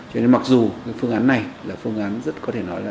cho nên mặc dù cái phương án này là phương án rất có thể nói là